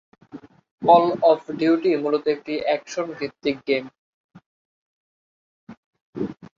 Call of duty মূলত একটি action ভিত্তিক গেইম।